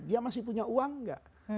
dia masih punya uang nggak